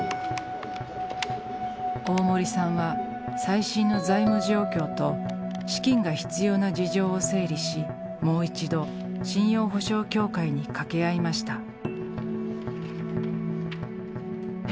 大森さんは最新の財務状況と資金が必要な事情を整理しもう一度信用保証協会に掛け合いました。